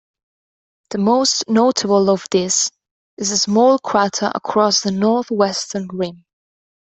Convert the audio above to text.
The most notable of these is a small crater across the northwestern rim.